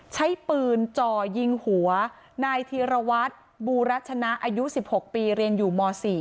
ใช้ปืนจ่อยิงหัวนายธีรวัตรบูรัชนะอายุ๑๖ปีเรียนอยู่ม๔